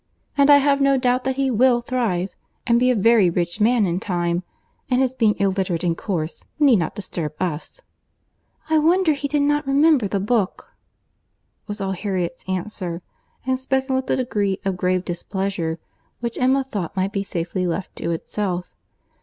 And I have no doubt that he will thrive, and be a very rich man in time—and his being illiterate and coarse need not disturb us." "I wonder he did not remember the book"—was all Harriet's answer, and spoken with a degree of grave displeasure which Emma thought might be safely left to itself.